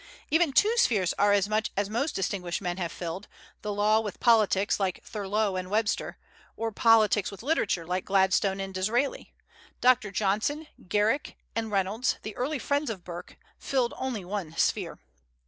Even two spheres are as much as most distinguished men have filled, the law with politics, like Thurlow and Webster; or politics with literature, like Gladstone and Disraeli. Dr. Johnson, Garrick, and Reynolds, the early friends of Burke, filled only one sphere.